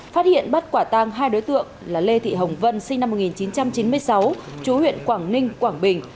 phát hiện bắt quả tang hai đối tượng là lê thị hồng vân sinh năm một nghìn chín trăm chín mươi sáu chú huyện quảng ninh quảng bình